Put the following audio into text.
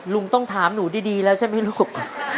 ลุงต้องถามหนูดีแล้วใช่ไหมลูก